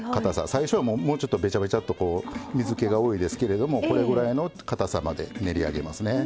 最初はもうちょっとべちゃべちゃと水けが多いですけれどもこれぐらいのかたさまで練り上げますね。